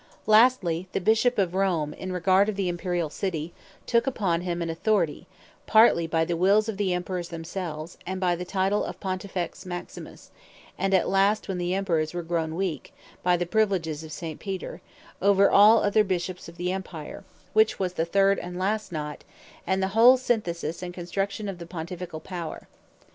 Lastly, the Bishop of Rome, in regard of the Imperiall City, took upon him an Authority (partly by the wills of the Emperours themselves, and by the title of Pontifex Maximus, and at last when the Emperours were grown weak, by the priviledges of St. Peter) over all other Bishops of the Empire: Which was the third and last knot, and the whole Synthesis and Construction of the Pontificall Power.